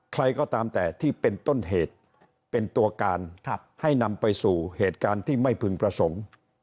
ใครก็ตามแต่ที่เป็นต้นเหตุเป็นตัวการให้นำไปสู่เหตุการณ์ที่ไม่พึงประสงค์